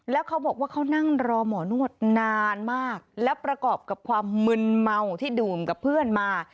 แล้วเขาบอกว่าเขานั่งรอหมอนวดนานมากแล้วประกอบกับความมึนเมาที่ดื่มกับเพื่อนมา